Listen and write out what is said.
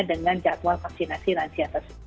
dengan jadwal vaksinasi lansia